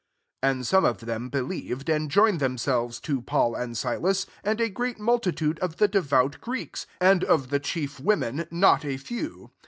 4 And some of them believed, and joined them selves to Paul and Silas ; and a great multitude of the devout Greeks, and of the chief wo men not a few.